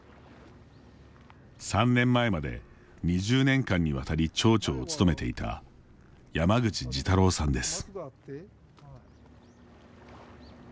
３年前まで２０年間にわたり町長を務めていた山口治太郎さんです。